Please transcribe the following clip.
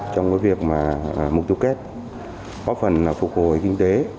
trong cái việc mà mục tiêu kết góp phần là phục hồi kinh tế